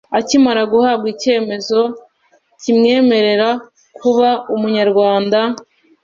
Akimara guhabwa icyemezo cyimwemerera kuba Umunyarwanda